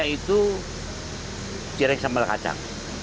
itu cireng sambal kacang